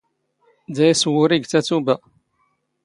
ⴷⴰ ⵉⵙⵡⵓⵔⵉ ⴳ ⵜⴰⵜⵓⴱⴰ